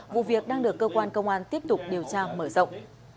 vụ việc đang được cơ quan công an tiếp tục điều tra mở rộng